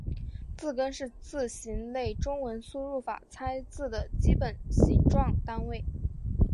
字根是字形类中文输入法拆字的基本形状单位。